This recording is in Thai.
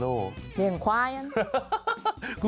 เลี้ยงควายอ่ะ